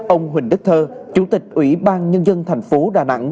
ông huỳnh đức thơ chủ tịch ủy ban nhân dân thành phố đà nẵng